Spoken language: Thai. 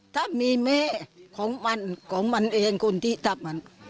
ถ้ามีแม่ของมันของมันเองคนที่ทำมัน